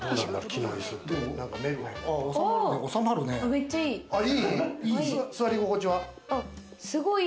めっちゃいい！